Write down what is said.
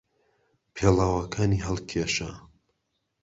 پێڵاوەکانی هەڵکێشا.